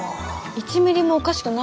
１ミリもおかしくないです。